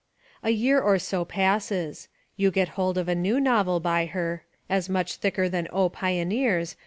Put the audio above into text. A year or so passes. You get hold of a new novel by her, as much thicker than O Pioneers!